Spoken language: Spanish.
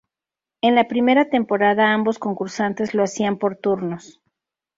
En la primera temporada, ambos concursantes lo hacían por turnos.